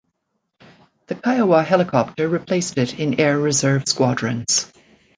The Kiowa helicopter replaced it in Air Reserve squadrons.